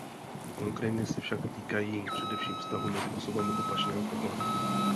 Konkrétně se však týkají především vztahu mezi osobami opačného pohlaví.